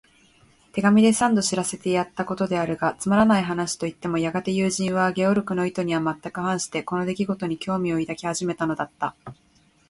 手紙で三度知らせてやったことであるが、つまらない話といってもやがて友人は、ゲオルクの意図にはまったく反して、この出来ごとに興味を抱き始めたのだった。